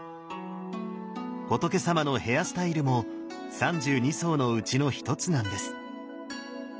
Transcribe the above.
仏さまのヘアスタイルも三十二相のうちの一つなんです。